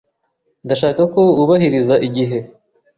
Ndashaka ko wubahiriza igihe.